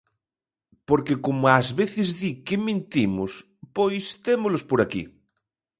Porque como ás veces di que mentimos, pois témolos por aquí.